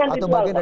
itu bukan ritual